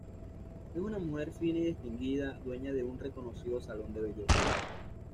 Es una mujer fina y distinguida, dueña de un reconocido salón de belleza.